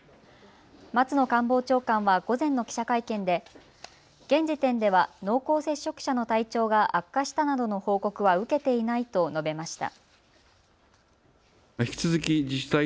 松野官房長官は午前の記者会見で現時点では濃厚接触者の体調が悪化したなどの報告は受けていないと述べました。